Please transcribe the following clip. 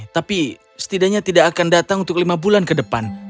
tapi setidaknya tidak akan datang untuk lima bulan ke depan